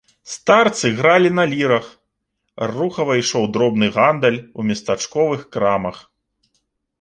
Старцы гралі на лірах, рухава ішоў дробны гандаль у местачковых крамах.